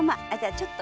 ちょっと。